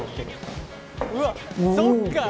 うわっそっか！